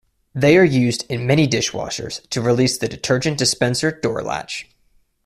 They are used in many dishwashers to release the detergent dispenser door latch.